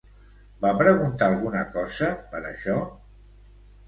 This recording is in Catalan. Va preguntar alguna cosa, per això?